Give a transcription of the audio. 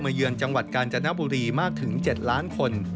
เยือนจังหวัดกาญจนบุรีมากถึง๗ล้านคน